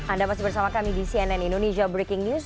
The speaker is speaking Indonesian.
anda masih bersama kami di cnn indonesia breaking news